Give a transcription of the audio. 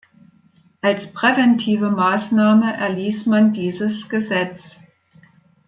Als präventive Maßnahme erließ man dieses Gesetz.